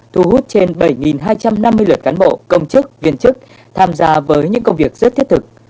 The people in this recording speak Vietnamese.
thu hút trên bảy hai trăm năm mươi lượt cán bộ công chức viên chức tham gia với những công việc rất thiết thực